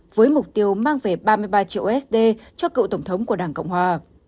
với mục tiêu mang về ba mươi ba triệu usd cho cựu tổng thống của đảng cộng hòa